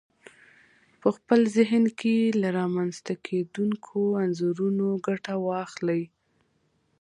په خپل ذهن کې له رامنځته کېدونکو انځورونو ګټه واخلئ.